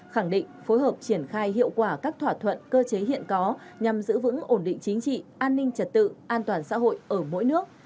khẳng định phối hợp triển khai hiệu quả các thỏa thuận cơ chế hiện có nhằm giữ vững ổn định chính trị an ninh trật tự an toàn xã hội ở mỗi nước